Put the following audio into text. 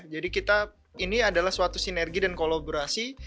jadi kita ini adalah suatu sinergi dan kolaborasi